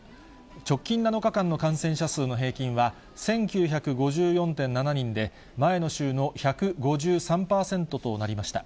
直近７日間の感染者数の平均は１９５４．７人で、前の週の１５３％となりました。